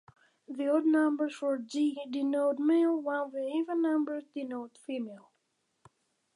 The odd numbers for G denote male while the even numbers denote female.